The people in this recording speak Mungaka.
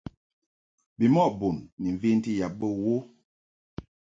Bimɔʼ bun ni mventi yab bə wo.